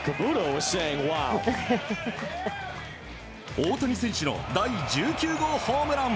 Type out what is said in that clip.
大谷選手の第１９号ホームラン。